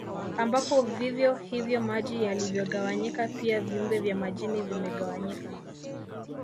Ambapo vivyo hivyo maji yalivyogawanyika pia viumbe vya majini vimegawanyika